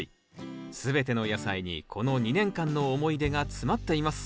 全ての野菜にこの２年間の思い出が詰まっています。